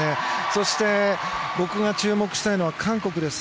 そして、僕が注目したいのは韓国です。